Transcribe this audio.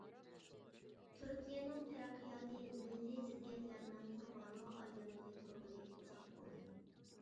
تۈركىيەنىڭ تەرەققىياتى مىللىي زىددىيەتلەرنىڭ قۇربانىغا ئايلانغىلى تۇرغىلى ئۇزاق بولدى.